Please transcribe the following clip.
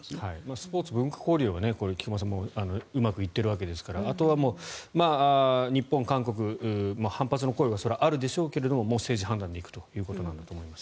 スポーツ、文化交流はうまくいっているわけですからあとは日本、韓国反発の声はあるでしょうけどもう政治判断で行くということなんだと思います。